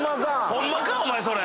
ホンマか⁉お前それ。